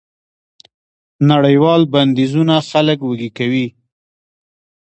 نړیوال بندیزونه خلک وږي کوي.